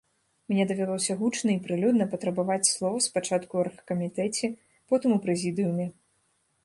Мне давялося гучна і прылюдна патрабаваць слова спачатку ў аргкамітэце, потым у прэзідыуме.